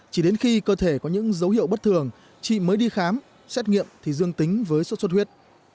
chỉ đến khi cơ thể có những dấu hiệu bất thường chị mới đi khám xét nghiệm thì dương tính với sốt xuất huyết